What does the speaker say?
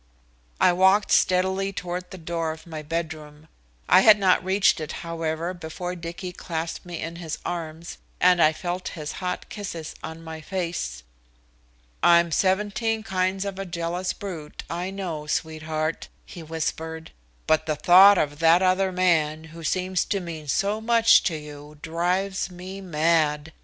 I walked steadily toward the door of my bedroom. I had not reached it, however, before Dicky clasped me in his arms, and I felt his hot kisses on my face. "I'm seventeen kinds of a jealous brute, I know, sweetheart," he whispered, "but the thought of that other man, who seems to mean so much to you, drives me mad.